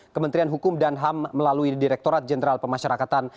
kementerian hukum dan ham melalui direktorat jenderal pemasyarakatan